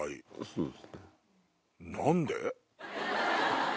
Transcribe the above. そうですね。